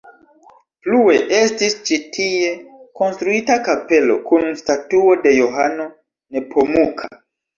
Plue estis ĉi tie konstruita kapelo kun statuo de Johano Nepomuka.